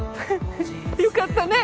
よかったね！